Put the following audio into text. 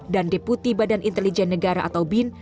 dan deputi badan intelijen negara atau bin